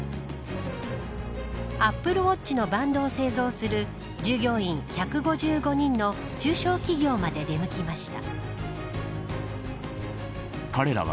アップルウォッチのバンドを製造する従業員１５５人の中小企業まで出向きました。